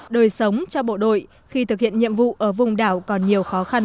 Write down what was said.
đời sống cho bộ đội khi thực hiện nhiệm vụ ở vùng đảo còn nhiều khó khăn